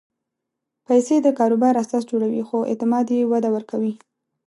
پېسې د کاروبار اساس جوړوي، خو اعتماد یې وده ورکوي.